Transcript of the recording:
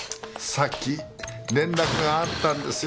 さっき連絡があったんですよ。